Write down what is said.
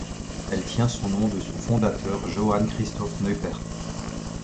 Elle tient son nom de son fondateur, Johann Christoph Neupert.